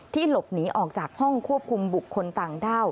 หลบหนีออกจากห้องควบคุมบุคคลต่างด้าว